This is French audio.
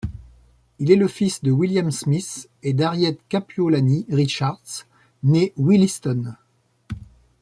Il est le fils de William Smith et d’Harriet Kapuolani Richards née Williston.